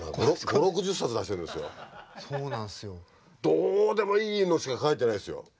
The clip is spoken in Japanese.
どうでもいいのしか書いてないですよ。